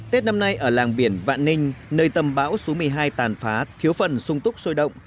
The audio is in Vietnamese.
tết năm nay ở làng biển vạn ninh nơi tầm bão số một mươi hai tàn phá thiếu phần sung túc sôi động